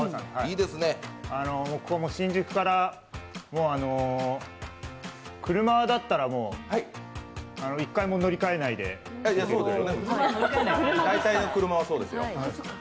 ここ、新宿から車だったら１回も乗り換えないで大体、車はそうですよ。